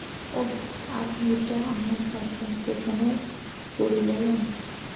ওহু, আপনি তো আমার বাচ্চার পিছনেই পরে গেলেন!